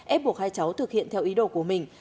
ép buộc hai cháu thực hiện theo ý đồ của mình